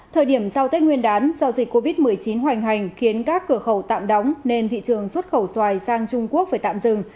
thời điểm sau tết nguyên đán do dịch covid một mươi chín hoành hành khiến các cửa khẩu tạm đóng nên thị trường xuất khẩu xoài sang trung quốc phải tạm dừng